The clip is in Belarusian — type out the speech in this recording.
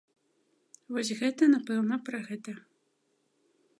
Вось гэта, напэўна, пра гэта.